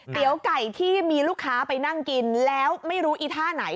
ไก่ที่มีลูกค้าไปนั่งกินแล้วไม่รู้อีท่าไหน